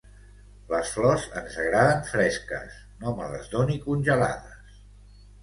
Les flors ens agraden fresques; no me les doni congelades.